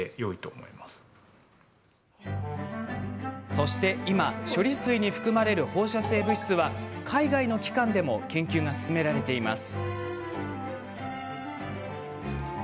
そして今、処理水に含まれる放射性物質は、海外の機関でも研究が進められています。